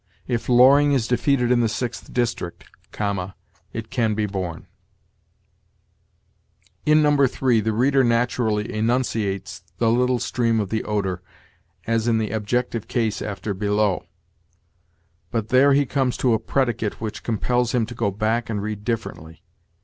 'If Loring is defeated in the Sixth District[,] it can be borne.' "In No. 3, the reader naturally enunciates 'the little stream of the Oder' as in the objective case after 'below'; but there he comes to a predicate which compels him to go back and read differently.